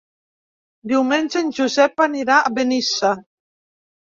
Diumenge en Josep anirà a Benissa.